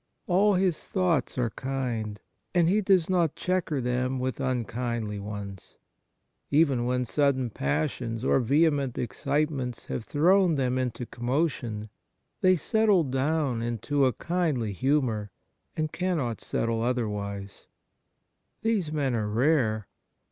All his thoughts are kind, and he does not chequer them with unkindly ones. Even when sudden passions or vehement excitements have thrown them into commotion, they settle down into a kindly humour, and cannot settle otherwise. These men are rare.